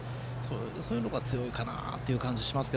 そういうところが強いかなという感じがしますが。